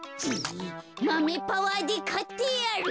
マメパワーでかってやる。